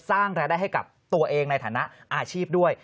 สร้างรายได้ให้กับตัวเองในฐานะอาชีพด้วย